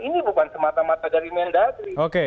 ini bukan semata mata dari mendagri